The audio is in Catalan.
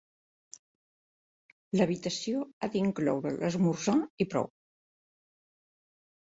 L'habitació ha d'incloure l'esmorzar i prou.